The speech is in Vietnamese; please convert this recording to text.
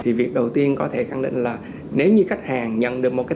thì việc đầu tiên có thể khẳng định là nếu như khách hàng nhận được